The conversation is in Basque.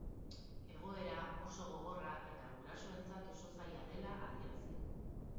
Egoera oso gogorra eta gurasoentzat oso zaila dela adierazi du.